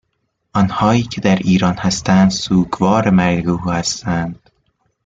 آنهایی که در ایران هستند سوگوار مرگ او هستند